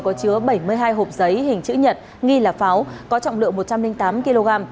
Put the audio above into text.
có chứa bảy mươi hai hộp giấy hình chữ nhật nghi là pháo có trọng lượng một trăm linh tám kg